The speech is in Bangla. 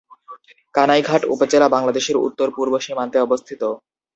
কানাইঘাট উপজেলা বাংলাদেশের উত্তর-পূ্র্ব সীমান্তে অবস্থিত।